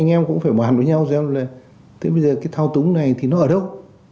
anh em cũng phải bàn với nhau xem là tới bây giờ cái thao túng này thì nó ở đâu